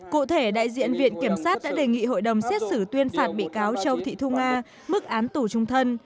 cụ thể đại diện viện kiểm sát đã đề nghị hội đồng xét xử tuyên phạt bị cáo châu thị thu nga mức án tù trung thân